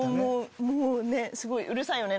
もうねすごいうるさいよね。